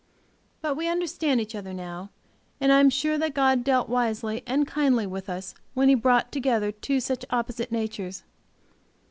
But we understand each other now, and I am sure that God dealt wisely and kindly with us when He brought together two such opposite natures.